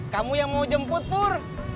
kamu yang mau jemput pur